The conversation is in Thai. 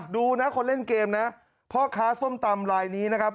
ดูนะคนเล่นเกมนะพ่อค้าส้มตำลายนี้นะครับ